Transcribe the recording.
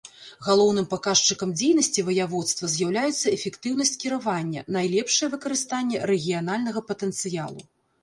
Галоўным паказчыкам дзейнасці ваяводства з'яўляецца эфектыўнасць кіравання, найлепшае выкарыстанне рэгіянальнага патэнцыялу.